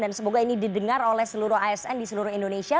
dan semoga ini didengar oleh seluruh asn di seluruh indonesia